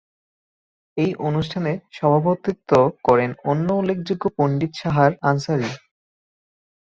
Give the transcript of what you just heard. এই অনুষ্ঠানে সভাপতিত্ব করেন অন্য উল্লেখযোগ্য পণ্ডিত সাহার আনসারি।